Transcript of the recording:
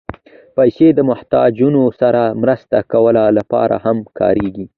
پېسې د محتاجانو سره مرسته کولو لپاره هم کارېږي.